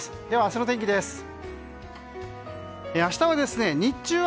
では明日の天気です。